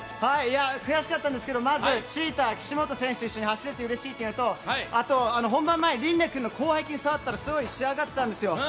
悔しかったんですけど、チーター・岸本選手と一緒に走れてうれしいというのとあと、本番前、琳寧君の広背筋、触ったらすごい仕上がってたんですよ